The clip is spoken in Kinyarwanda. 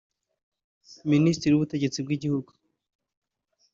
Ministiri w’ubutegetsi bw’igihugu